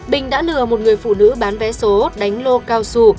bình đã lừa một người phụ nữ bán vé số đánh lô cao su